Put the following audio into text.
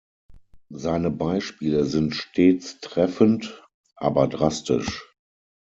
Seine Beispiele sind stets treffend, aber drastisch.